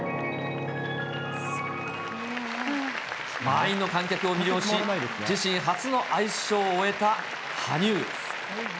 満員の観客を魅了し、自身初のアイスショーを終えた羽生。